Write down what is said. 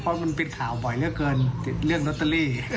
เพราะมันปิดข่าวบ่อยเยอะเกินเรื่องโรตเตอรี่